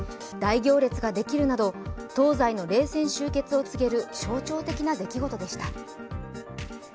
大行列ができるなど東西の冷戦終結を告げる象徴的な出来事でした。